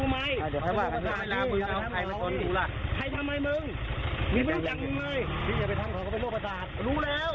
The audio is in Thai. รู้แล้วตีมาตีคุณนางมาก